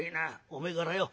おめえからよ